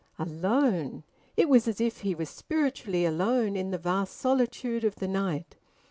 Alone? ... It was as if he was spiritually alone in the vast solitude of the night.